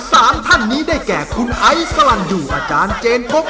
เพราะว่าท่านนี้ได้แก่คุณไอซ์สลันอยู่อาจารย์เจนภพ